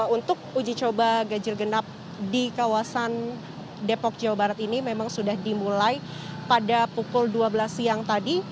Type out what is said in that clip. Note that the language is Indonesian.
untuk uji coba ganjil genap di kawasan depok jawa barat ini memang sudah dimulai pada pukul dua belas siang tadi